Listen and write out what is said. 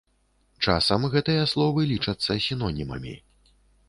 Часам гэтыя словы лічацца сінонімамі.